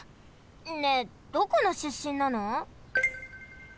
ねえどこのしゅっしんなの？